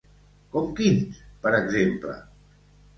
Com quins, per exemple?